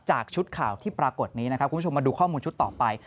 ชุดข่าวที่ปรากฏนี้นะครับคุณผู้ชมมาดูข้อมูลชุดต่อไป